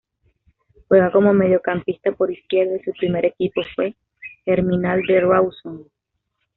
Juega como mediocampista por izquierda y su primer equipo fue Germinal de Rawson.